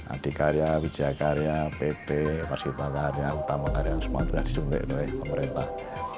adhikarya wijaya karya pp marsipal karya utama karya semua sudah disuntik oleh pemerintah